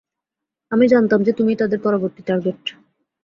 আমি জানতাম যে, তুমিই তাদের পরবর্তী টার্গেট।